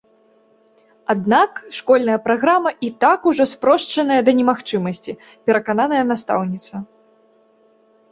Аднак школьная праграма і так ужо спрошчаная да немагчымасці, перакананая настаўніца.